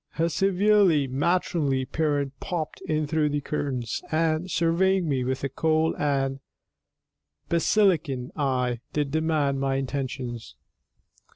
her severe matronly parent popped in through the curtains and, surveying me with a cold and basilican eye, did demand my intentions.